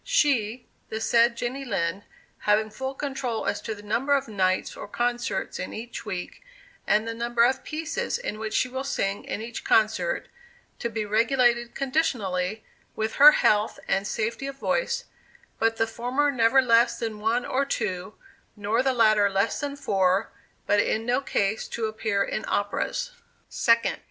She, the said Jenny Lind, having full control as to the number of nights or concerts in each week, and the number of pieces in which she will sing in each concert, to be regulated conditionally with her health and safety of voice, but the former never less than one or two, nor the latter less than four; but in no case to appear in operas. 2d.